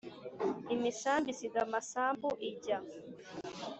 Imisambi isiga amasambu ijya